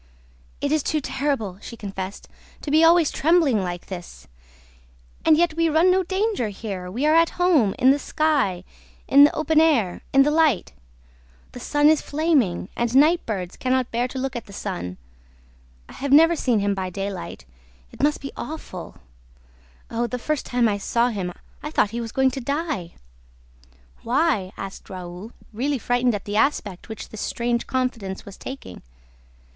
"It is too terrible," she confessed, "to be always trembling like this! ... And yet we run no danger here; we are at home, in the sky, in the open air, in the light. The sun is flaming; and night birds can not bear to look at the sun. I have never seen him by daylight ... it must be awful! ... Oh, the first time I saw him! ... I thought that he was going to die." "Why?" asked Raoul, really frightened at the aspect which this strange confidence was taking.